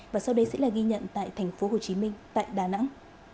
và sau đây sẽ là ghi nhận tại thành phố hồ chí minh tại đà nẵng